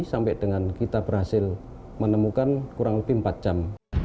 sampai dengan kita berhasil menemukan kurang lebih empat jam